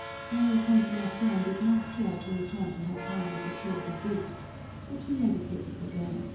Doña Consolacion did not care to return to her town at the toe of a boot, but she meditated revenge.